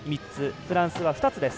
フランスは２つです。